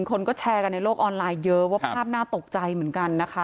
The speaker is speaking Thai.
คนก็แชร์กันในโลกออนไลน์เยอะว่าภาพน่าตกใจเหมือนกันนะคะ